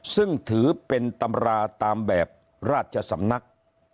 ซึ่งถือเป็นตำราตามแบบราชสำนัก